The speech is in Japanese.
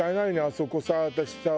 あそこさ